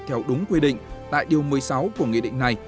theo đúng quy định tại điều một mươi sáu của nghị định này